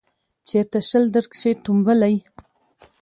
چیرته شل درکښې ټومبلی